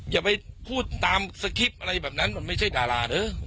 อย่าไปพูดตามสคริปต์อะไรแบบนั้นมันไม่ใช่ดาราเด้อ